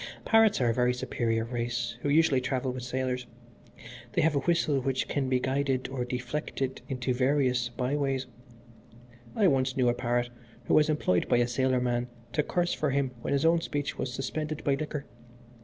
Parrots are a very superior race who usually travel with sailors. They have a whistle which can be guided or deflected into various by ways. I once knew a parrot who was employed by a sailor man to curse for him when his own speech was suspended by liquor.